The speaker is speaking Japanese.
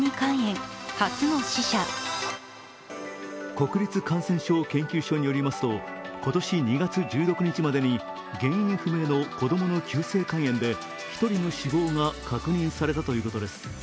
国立感染症研究所によりますと今年２月１６日までに原因不明の子供の急性肝炎で１人の死亡が確認されたということです。